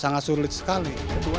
sangat sulit sekali